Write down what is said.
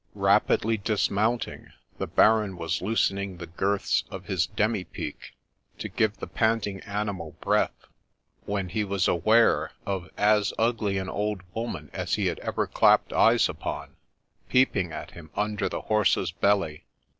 Rapidly dismounting, the Baron was loosening the girths of his derni pique, to give the panting animal breath, when he was aware of as ugly an old woman as he had ever clapped eyes upon, peeping at him under the horse's belly.